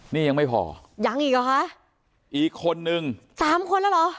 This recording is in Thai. นี่ยังไม่พอยังอีกหรอคะอีกคนนึงสามคนแล้วเหรอ